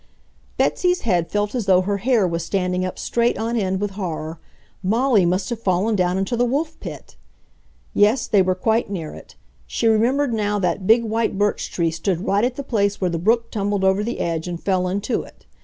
Betsy's head felt as though her hair were standing up straight on end with horror. Molly must have fallen down into the Wolf Pit! Yes, they were quite near it. She remembered now that big white birch tree stood right at the place where the brook tumbled over the edge and fell into it.